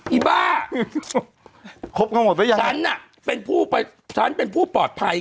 อีบ้าครบกันหมดหรือยังฉันน่ะเป็นผู้ไปฉันเป็นผู้ปลอดภัย